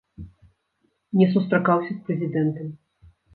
Не сустракаўся з прэзідэнтам.